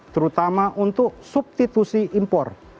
terutama untuk substitusi impor